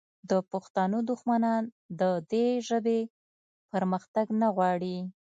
د پښتنو دښمنان د دې ژبې پرمختګ نه غواړي